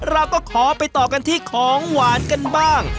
เราก็ขอไปต่อกันที่ของหวานกันบ้าง